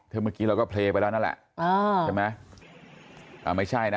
เมื่อกี้เราก็เพนไปแล้วนั่นแหละเห็นไหมไม่ใช่นะ